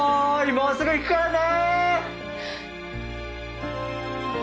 もうすぐ行くからね！